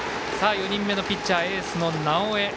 ４人目のピッチャーエースの直江。